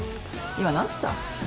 今何つった？